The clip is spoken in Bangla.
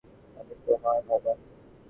আমি তোমার বাবা।